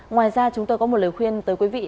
ngoài ra chúng tôi có một lời khuyên tới quý vị